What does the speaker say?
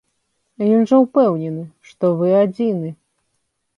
Ён жа ўпэўнены, што вы адзіны.